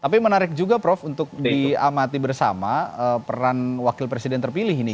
tapi menarik juga prof untuk diamati bersama peran wakil presiden terpilih ini